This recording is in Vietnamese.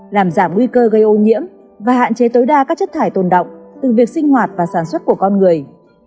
làm giảm nguy cơ gây ô nhiễm và hạn chế tối đa các chất thải tồn động từ việc sinh hoạt và sản xuất của con người